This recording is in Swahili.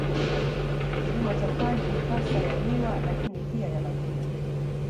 Kilimo cha pwani ni hasa ya miwa lakini pia ya matunda.